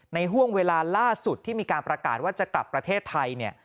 ห่วงเวลาล่าสุดที่มีการประกาศว่าจะกลับประเทศไทยเนี่ย